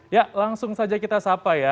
ya langsung saja kita sapa ya